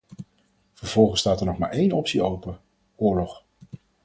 Vervolgens staat er nog maar één optie open: oorlog.